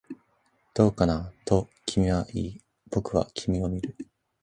どうかな、と君は言い、僕は君を見る